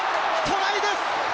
トライです！